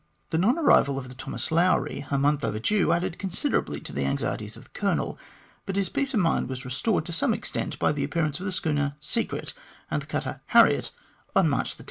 The non arrival of the Thomas Lowry, a month overdue, added considerably to the anxieties of the Colonel, but his peace of mind was restored to some extent by the appearance of the schooner Secret and the cutter Harriet on March 10.